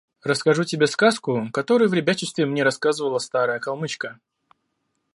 – Расскажу тебе сказку, которую в ребячестве мне рассказывала старая калмычка.